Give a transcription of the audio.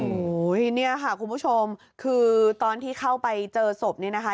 โอ้โหเนี่ยค่ะคุณผู้ชมคือตอนที่เข้าไปเจอศพเนี่ยนะคะ